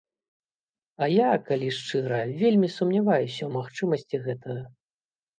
А я, калі шчыра, вельмі сумняваюся ў магчымасці гэтага.